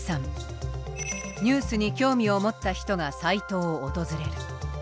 ニュースに興味を持った人がサイトを訪れる。